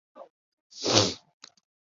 三年后病逝。